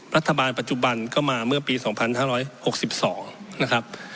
ปัจจุบันก็มาเมื่อปี๒๕๖๒นะครับ